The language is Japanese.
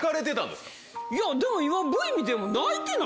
でも今、Ｖ見ても、泣いてな